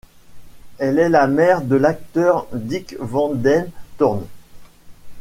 Elle est la mère de l'acteur Dick van den Toorn.